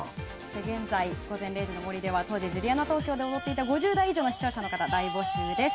現在、「午前０時の森」では当時、ジュリアナ東京で踊っていた５０代以上の視聴者の方を大募集しております。